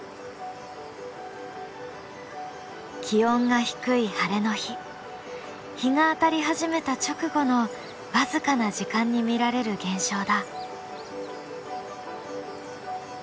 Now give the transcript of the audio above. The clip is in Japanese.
気温が低い晴れの日日が当たり始めた直後の僅かな時間に見られる現象だ。